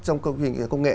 trong công nghệ